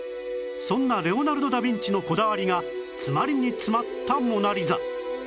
そんなレオナルド・ダ・ヴィンチのこだわりが詰まりに詰まった『モナ・リザ』